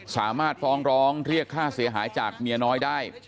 สามารถฟ้องร้องเรียกค่าเสียหายจากเมียน้อยได้